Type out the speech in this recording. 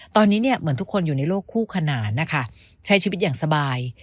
ตอนนี้เนี่ยเหมือนทุกคนอยู่ในโลกคู่ขนานนะคะใช้ชีวิตอย่างสบาย